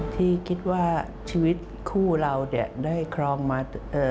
ที่คิดว่าชีวิตคู่เราได้ครองมา